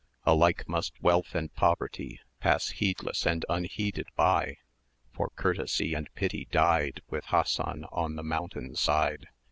"[di] Alike must Wealth and Poverty Pass heedless and unheeded by, For Courtesy and Pity died With Hassan on the mountain side.